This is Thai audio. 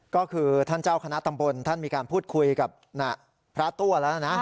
ก็คือท่านเจ้าคณะตำบลท่านมีการพูดคุยกับพระตัวแล้วนะ